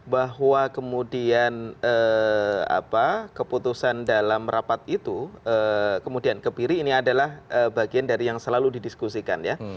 bahwa kemudian keputusan dalam rapat itu kemudian kepiri ini adalah bagian dari yang selalu didiskusikan ya